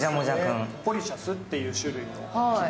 ポリシャスという種類の木で。